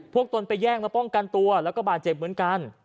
ตนไปแย่งมาป้องกันตัวแล้วก็บาดเจ็บเหมือนกัน